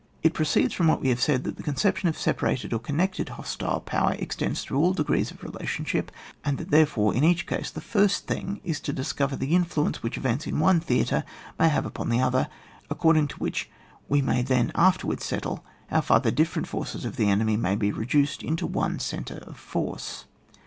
It proceeds from what we have said that the conception of separated or con nected hostile power extends through all degrees of relationship, and that therefore, in each case, the first thing is to discover the influence which events in one theatre may have upon the other, according to which we may then afterwards settle how far the different forces of the enemy may be reduced into one centre of force.